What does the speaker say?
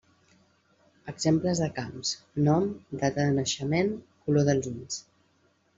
Exemples de camps: nom, data de naixement, color dels ulls.